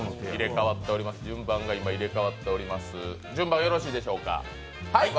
順番よろしいでしょうか。